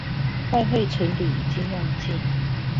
外匯存底已經用盡